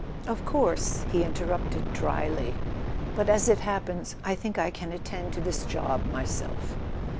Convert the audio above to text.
"Of course," he interrupted drily. "But, as it hap¬ pens, I think I can attend to this job myself."